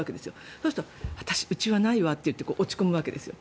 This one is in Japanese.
そうすると、うちはないわって落ち込むわけですよ。